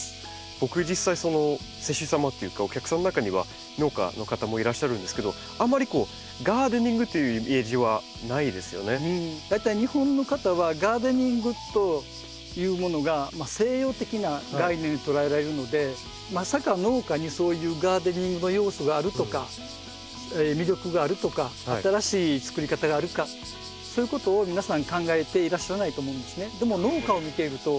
僕実際施主様っていうかお客さんの中には農家の方もいらっしゃるんですけどあんまり大体日本の方はガーデニングというものが西洋的な概念と捉えられるのでまさか農家にそういうガーデニングの要素があるとか魅力があるとか新しいつくり方があるかそういうことを皆さん考えていらっしゃらないと思うんですね。